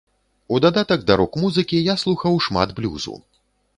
У дадатак да рок-музыкі я слухаў шмат блюзу.